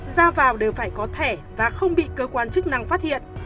ra vào đều phải có thẻ và không bị cơ quan chức năng phát hiện